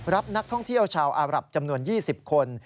รับนักท่องเที่ยวชาวอารับจำนวน๒๐คน